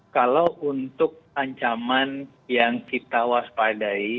kalau untuk ancaman yang kita waspadai